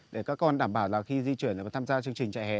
để các con đảm bảo là khi di chuyển và tham gia chương trình trại hè